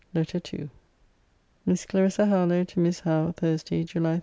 LETTER II MISS CLARISSA HARLOWE, TO MISS HOWE THURSDAY, JULY 13.